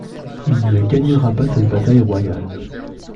Il ne gagnera pas cette Bataille Royale.